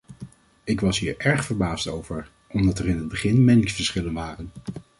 Ik was hier erg verbaasd over, omdat er in het begin meningsverschillen waren.